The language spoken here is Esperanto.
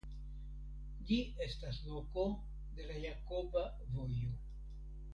Ĝi estas loko de la Jakoba Vojo.